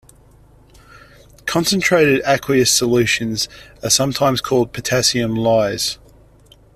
Concentrated aqueous solutions are sometimes called potassium lyes.